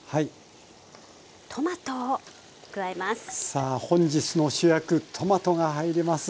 さあ本日の主役トマトが入ります。